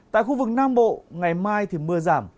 tại khu vực nam bộ ngày mai thì mưa giảm